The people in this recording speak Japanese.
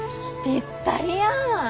ぴったりやん！